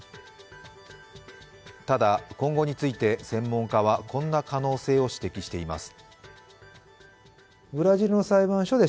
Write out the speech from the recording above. ただ今後について、専門家はこんな可能性を指摘しています。